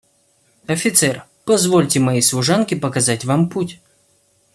Офицер, позвольте моей служанке показать вам путь.